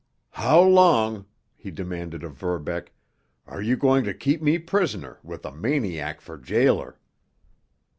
"How long," he demanded of Verbeck, "are you going to keep me prisoner, with a maniac for jailer?"